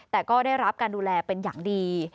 แต่ก็ได้รับการดูแลเป็นอย่างดี